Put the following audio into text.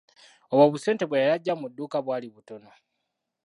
Obwo obusente bwe yali aggya mu dduuka bwali butono.